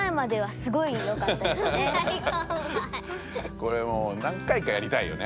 これもうなん回かやりたいよね。